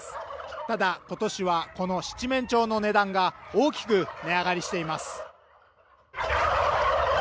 ただ、今年はこの七面鳥の値段が大きく値上がりしています。